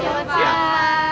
selamat siang pak